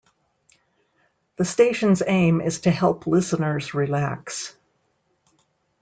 The station's aim is to help listeners relax.